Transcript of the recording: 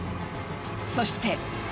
そして。